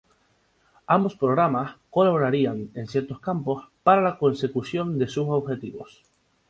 Ambos programas colaborarían en ciertos campos para la consecución de sus objetivos.